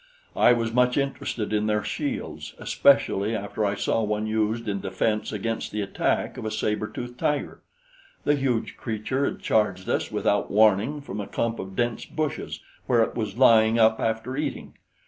I was much interested in their shields, especially after I saw one used in defense against the attack of a saber tooth tiger. The huge creature had charged us without warning from a clump of dense bushes where it was lying up after eating.